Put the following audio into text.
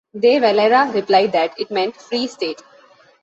De Valera replied that it meant 'Free State'.